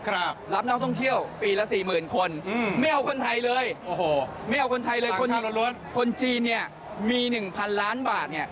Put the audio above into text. รับนักต้องเที่ยวปีละ๔๐๐๐๐คนไม่เอาคนไทยเลยคนจีนมี๑๐๐๐ล้านบาท